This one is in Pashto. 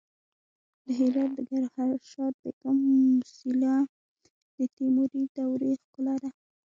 د هرات د ګوهرشاد بیګم موسیلا د تیموري دورې ښکلا ده